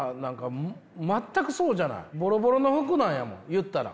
ボロボロの服なんやもん言ったら。